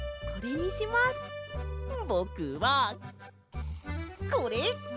ぼくはこれ！